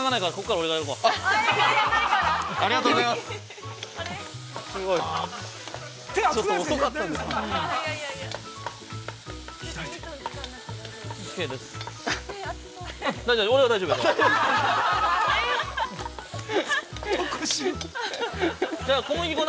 俺は、大丈夫やから。